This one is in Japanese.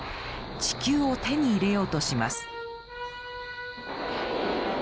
地球を手に入れようとします。